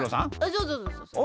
そうそうそうそう。